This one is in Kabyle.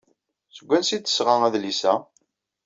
Seg wansi ay d-tesɣa adlis-a?